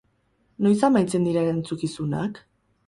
Noiz amaitzen dira erantzukizunak?